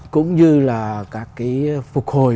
cũng như là các cái phục hồi